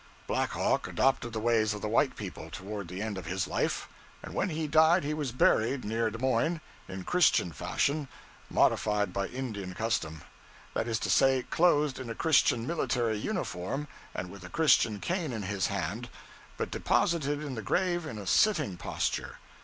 Black Hawk adopted the ways of the white people, toward the end of his life; and when he died he was buried, near Des Moines, in Christian fashion, modified by Indian custom; that is to say, clothed in a Christian military uniform, and with a Christian cane in his hand, but deposited in the grave in a sitting posture.